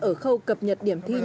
ở khâu cập nhật điểm thi